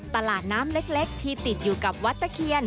ตลาดน้ำเล็กที่ติดอยู่กับวัดตะเคียน